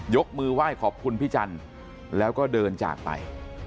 ยกมือไหว้ขอบคุณพี่จันทร์แล้วก็เดินจากไป